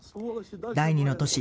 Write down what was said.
第２の都市